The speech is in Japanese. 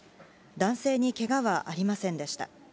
男性にけがはありませんでした。